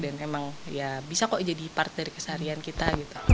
dan emang bisa kok jadi part dari keseharian kita